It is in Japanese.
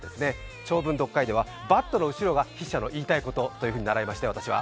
長文読解では、バットの後ろが筆者の言いたいことだと習いました、私は。